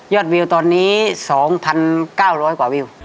วิวตอนนี้๒๙๐๐กว่าวิว